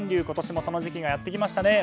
今年もその時期がやってきました。